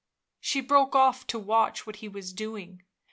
She broke off to watch what he was doing.